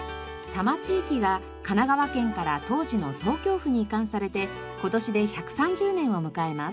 多摩地域が神奈川県から当時の東京府に移管されて今年で１３０年を迎えます。